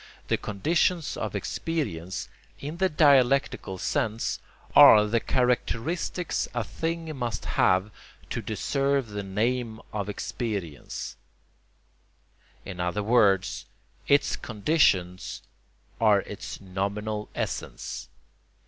The conditions of experience, in the dialectical sense, are the characteristics a thing must have to deserve the name of experience; in other words, its conditions are its nominal essence.